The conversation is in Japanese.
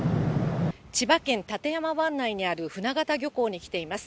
千葉県館山湾内にあるふながた漁港に来ています。